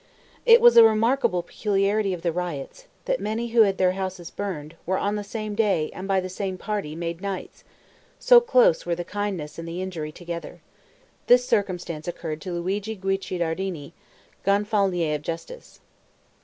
It was a remarkable peculiarity of the riots, that many who had their houses burned, were on the same day, and by the same party made knights; so close were the kindness and the injury together. This circumstance occurred to Luigi Guicciardini, Gonfalonier of Justice.